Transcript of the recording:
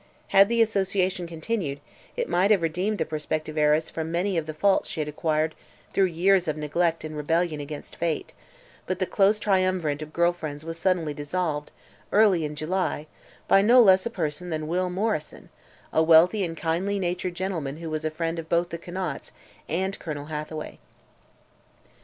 Had the association continued it might have redeemed the prospective heiress from many of the faults she had acquired through years of neglect and rebellion against fate, but the close triumvirate of girl friends was suddenly dissolved, early in July, by no less a person than Will Morrison a wealthy and kindly natured gentleman who was a friend of both the Conants and Colonel Hathaway.